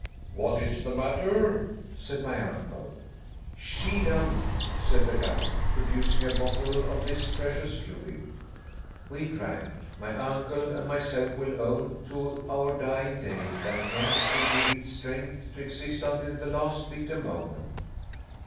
"What is the matter?" said my uncle. "Schiedam," said the guide, producing a bottle of this precious fluid. We drank. My uncle and myself will own to our dying day that hence we derived strength to exist until the last bitter moment.